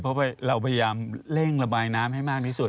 เพราะเราพยายามเร่งระบายน้ำให้มากที่สุด